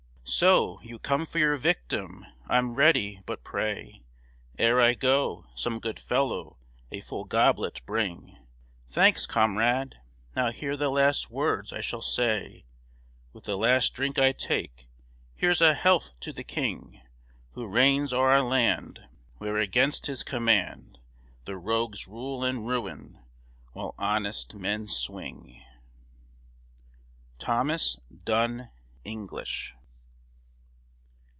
So, you come for your victim! I'm ready; but, pray, Ere I go, some good fellow a full goblet bring. Thanks, comrade! Now hear the last words I shall say With the last drink I take. Here's a health to the King, Who reigns o'er a land Where, against his command, The rogues rule and ruin, while honest men swing. THOMAS DUNN ENGLISH.